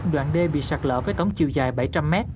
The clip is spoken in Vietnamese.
đoạn đê bị sạt lỡ với tống chiều dài bảy trăm linh m